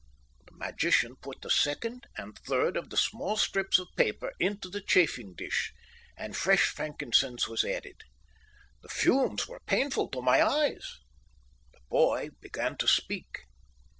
"The magician put the second and third of the small strips of paper into the chafing dish, and fresh frankincense was added. The fumes were painful to my eyes. The boy began to speak.